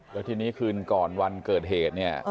แล้วทีนี้คืนก่อนวันเกิดเหตุเนี่ย